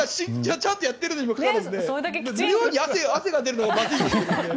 ちゃんとやっているにもかかわらず妙に汗が出るのはまずいですね。